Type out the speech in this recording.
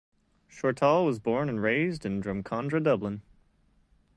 Shortall was born and raised in Drumcondra, Dublin.